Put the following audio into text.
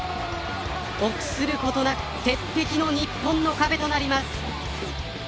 臆することなく鉄壁の日本の壁となります。